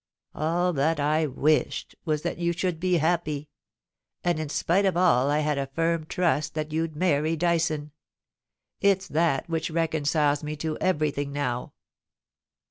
All that I wished was that you should be happy, and in spite of all I had a firm trust that you'd many Dyson. It's that which reconciles me to everything now.'